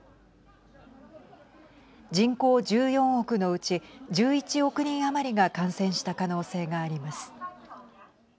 人口１４億のうち１１億人余りが感染した可能性があります。